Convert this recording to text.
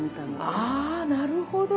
あなるほど！